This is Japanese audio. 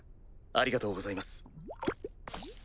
ありがとうございます。